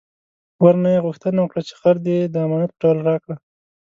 ورنه یې غوښتنه وکړه چې خر دې د امانت په ډول راکړه.